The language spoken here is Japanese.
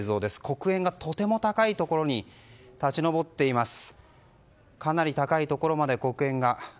黒煙がとても高いところに立ち上っています。